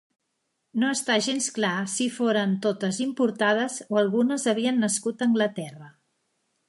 No està gens clar si foren totes importades o algunes havien nascut a Anglaterra.